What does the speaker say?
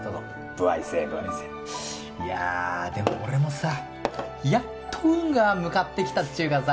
歩合制いやあでも俺もさやっと運が向かってきたっちゅうかさ